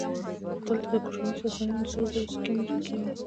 دلته د کوشاني ساسانیانو د سرو زرو سکې موندل کېږي